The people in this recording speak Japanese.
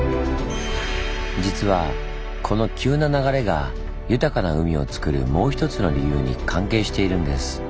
実はこの急な流れが豊かな海をつくるもう一つの理由に関係しているんです。